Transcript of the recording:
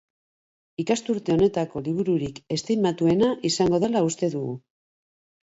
Ikasturte honetako libururik estimatuena izango dela uste dugu.